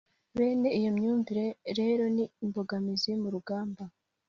bene iyo myumvire rero ni imbogamizi mu rugamba